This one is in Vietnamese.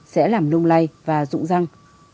sẽ làm lung lay và rụng răng